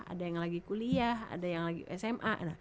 ada yang lagi kuliah ada yang lagi sma